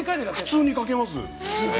◆普通に書けます。